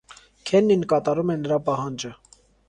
Քեննին կատարում է նրա պահանջը։